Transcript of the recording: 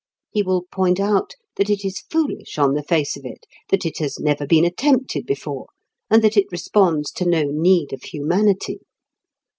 He will point out that it is foolish on the face of it, that it has never been attempted before, and that it responds to no need of humanity.